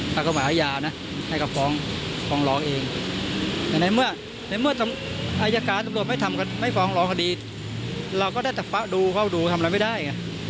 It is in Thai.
แต่ในเมื่ออัยการทำรวจไม่ฟองรองคดีเราก็ได้ตัดฟักดูเข้าดูทำอะไรไม่ได้